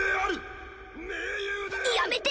やめて！